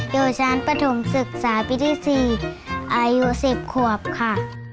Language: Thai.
อยู่ชั้นปฐมศึกษาปีที่๔อายุ๑๐ขวบค่ะ